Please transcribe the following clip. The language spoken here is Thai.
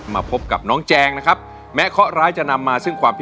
มาพบกับน้องแจงนะครับแม้เคาะร้ายจะนำมาซึ่งความผิด